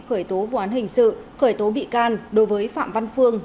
khởi tố vụ án hình sự khởi tố bị can đối với phạm văn phương